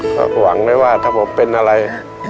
ก็หวังไว้ว่าถ้าผมเป็นอะไร